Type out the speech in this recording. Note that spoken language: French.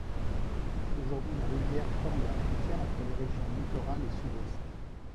Aujourd'hui, la rivière forme la frontière entre les régions Littoral et Sud-Ouest.